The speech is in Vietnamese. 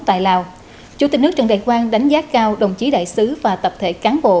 tại lào chủ tịch nước trần đại quang đánh giá cao đồng chí đại sứ và tập thể cán bộ